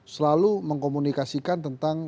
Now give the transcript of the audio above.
selalu mengkomunikasikan tentang